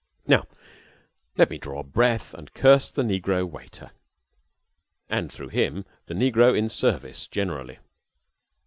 Now, let me draw breath and curse the negro waiter, and through him the negro in service generally.